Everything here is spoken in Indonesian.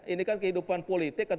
ini kan kehidupan politik